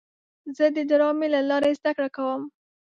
زه د ډرامې له لارې زده کړه کوم.